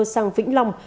sang vĩnh long